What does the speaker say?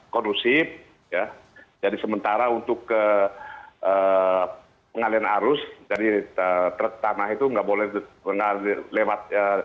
kondusif ya jadi sementara untuk ke pengalian arus jadi truk tanah itu nggak boleh lewat